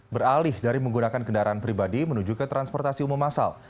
beralih dari menggunakan kendaraan pribadi menuju ke transportasi umum asal